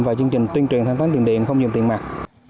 và chương trình tuyên truyền thanh toán tiền điện không dùm tiền mạc